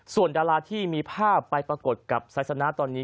ส่วนดาราที่มีภาพไปปรากฏกับไซสนะตอนนี้